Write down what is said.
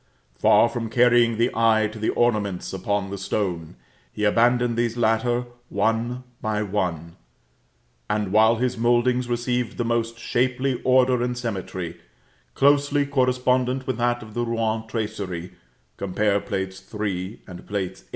Far from carrying the eye to the ornaments, upon the stone, he abandoned these latter one by one; and while his mouldings received the most shapely order and symmetry, closely correspondent with that of the Rouen tracery, compare Plates III. and VIII.